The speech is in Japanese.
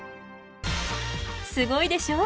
すごいでしょ？